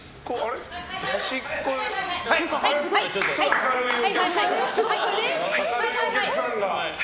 明るいお客さんが。